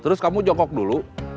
terus kamu jongkok dulu